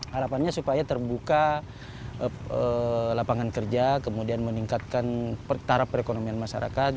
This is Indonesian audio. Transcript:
harapannya supaya terbuka lapangan kerja kemudian meningkatkan taraf perekonomian masyarakat